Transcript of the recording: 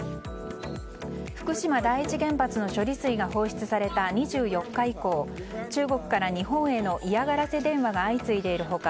福島第一原発の処理水が放出された２４日以降中国から日本への嫌がらせ電話が相次いでいる他